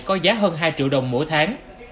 có giá hơn hai triệu đồng mỗi tháng